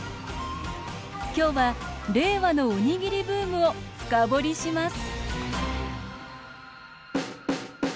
今日は令和のおにぎりブームを深掘りします